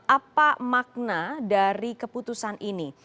apa makna dari keputusan ini